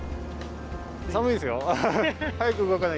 寒いですよ。